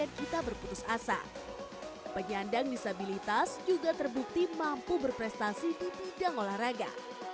menjadikan kita berputus asa penyandang disabilitas juga terbukti mampu berprestasi di bidang olahraga